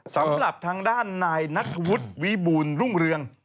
สำหรับทางด้านนายนัทธวุฒิวิบูรณรุ่งเรือง